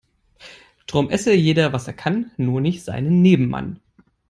Drum esse jeder was er kann, nur nicht seinen Nebenmann.